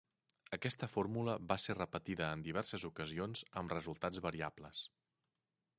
Aquesta fórmula va ser repetida en diverses ocasions, amb resultats variables.